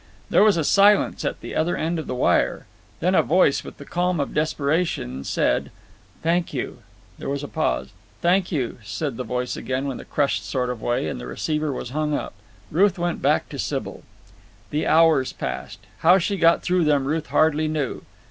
There was a silence at the other end of the wire. Then a voice, with the calm of desperation, said: "Thank you." There was a pause. "Thank you," said the voice again in a crushed sort of way, and the receiver was hung up. Ruth went back to Sybil. The hours passed. How she got through them Ruth hardly knew.